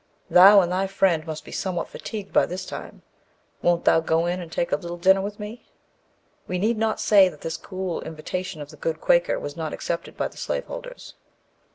Thou and thy friend must be somewhat fatigued by this time; won't thou go in and take a little dinner with me?" We need not say that this cool invitation of the good Quaker was not accepted by the slaveholders.